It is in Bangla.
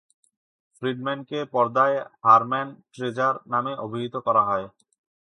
ফ্রিডম্যানকে পর্দায় "হারম্যান ট্রেজার" নামে অভিহিত করা হয়।